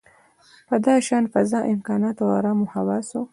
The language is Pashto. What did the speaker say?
په داشان فضا، امکاناتو او ارامو حواسو.